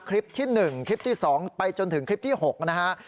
คลิปที่๑คลิปที่๒ไปจนถึงคลิปที่๖นะฮะ